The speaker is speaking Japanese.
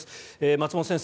松本先生